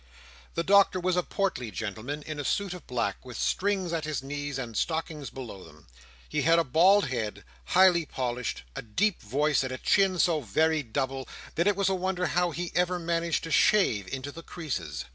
The Doctor was a portly gentleman in a suit of black, with strings at his knees, and stockings below them. He had a bald head, highly polished; a deep voice; and a chin so very double, that it was a wonder how he ever managed to shave into the creases.